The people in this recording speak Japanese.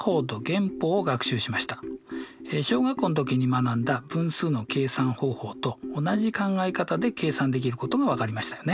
小学校の時に学んだ分数の計算方法と同じ考え方で計算できることが分かりましたよね。